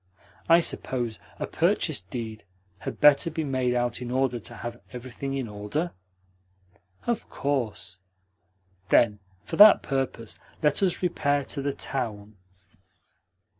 I suppose a purchase deed had better be made out in order to have everything in order?" "Of course." "Then for that purpose let us repair to the town."